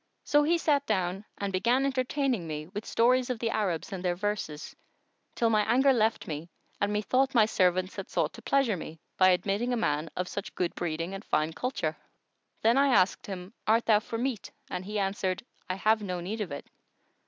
So he sat down and began entertaining me with stories of the Arabs and their verses, till my anger left me and methought my servants had sought to pleasure me by admitting a man of such good breeding and fine culture. Then I asked him, "Art thou for meat?"; and he answered, "I have no need of it."